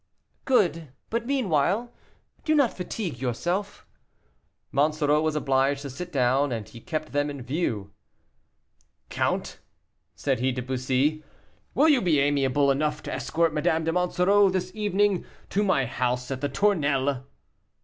"Good; but meanwhile, do not fatigue yourself." Monsoreau was obliged to sit down, but he kept them in view. "Count," said he to Bussy, "will you be amiable enough to escort Madame de Monsoreau this evening to my house at the Tournelles?"